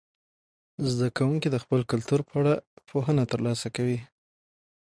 زده کوونکي د خپل کلتور په اړه پوهنه ترلاسه کوي.